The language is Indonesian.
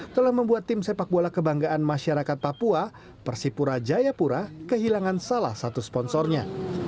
telah membuat tim sepak bola kebanggaan masyarakat papua persipura jayapura kehilangan salah satu sponsornya